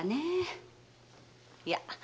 いや。